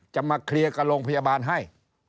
จะมาเคลียร์กับโรงพยาบาลให้